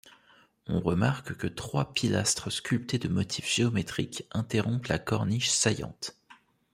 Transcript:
On remarque que trois pilastres sculptés de motifs géométriques interrompent la corniche saillante.